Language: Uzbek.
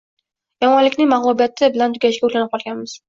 yomonlikning mag’lubiyati bilan tugashiga o’rganib olganmiz